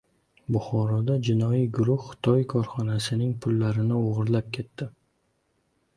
Buxoroda jinoiy guruh Xitoy korxonasining pullarini o‘g‘irlab ketdi